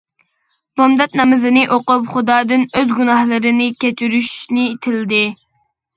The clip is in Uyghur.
بامدات نامىزىنى ئوقۇپ خۇدادىن ئۆز گۇناھلىرىنى كەچۈرۈشنى تىلىدى.